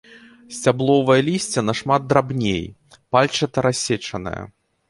Сцябловае лісце нашмат драбней, пальчатарассечанае.